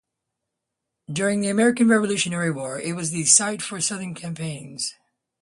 During the American Revolutionary War, it was a site for southern campaigns.